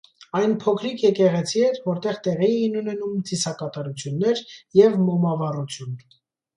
Այն փոքրիկ եկեղեցի էր, որտեղ տեղի էին ունենում ծիսակատարություններ և մոմավառություն։